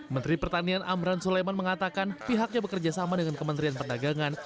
menteri pertanian amran suleman mengatakan pihaknya bekerjasama dengan kementerian perdagangan